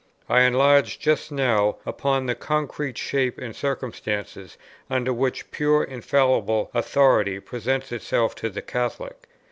I enlarged just now upon the concrete shape and circumstances, under which pure infallible authority presents itself to the Catholic.